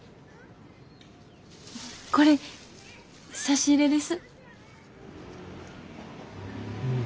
これ差し入れです。